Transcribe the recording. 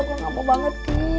gue gak mau banget ki